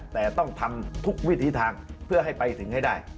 แต่ต้องทำทุกวิถีทางเพื่อให้ไปถึงให้ได้